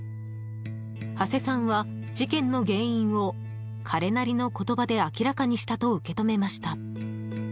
土師さんは、事件の原因を彼なりの言葉で明らかにしたと受け止めました。